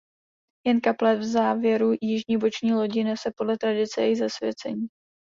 Jen kaple v závěru jižní boční lodi nese podle tradice jejich zasvěcení.